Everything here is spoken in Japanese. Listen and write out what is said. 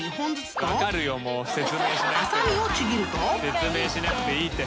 説明しなくていいって。